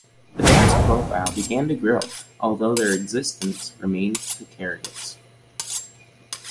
The band's profile began to grow, although their existence remained precarious.